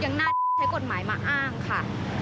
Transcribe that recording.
ยังน่าใช้กฎหมายมาอ้างค่ะ